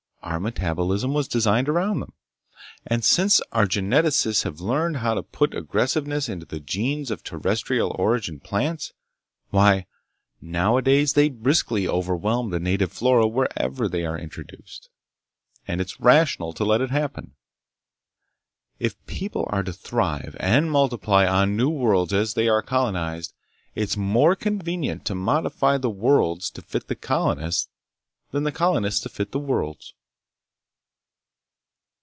Our metabolism was designed around them. And since our geneticists have learned how to put aggressiveness into the genes of terrestrial origin plants—why nowadays they briskly overwhelm the native flora wherever they are introduced. And it's rational to let it happen. If people are to thrive and multiply on new worlds as they are colonized, it's more convenient to modify the worlds to fit the colonists than the colonists to fit the worlds.